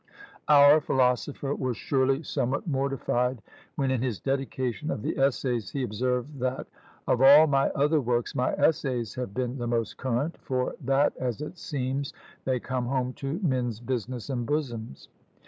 Our philosopher was surely somewhat mortified, when in his dedication of the Essays he observed, that "of all my other works my Essays have been most current; for that, as it seems, they come home to men's business and bosoms."